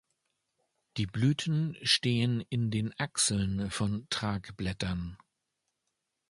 Die Blüten stehen in den Achseln von Tragblättern.